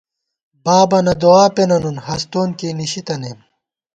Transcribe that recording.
بابَنہ دُعا پېنہ نُون ہستون کېئی نِشی تنئیم